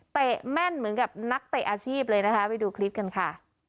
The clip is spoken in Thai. แม่นเหมือนกับนักเตะอาชีพเลยนะคะไปดูคลิปกันค่ะ